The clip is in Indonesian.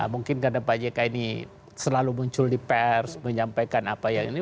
mungkin karena pak jk ini selalu muncul di pers menyampaikan apa yang ini